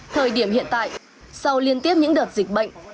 thời điểm hiện tại sau liên tiếp những đợt dịch bệnh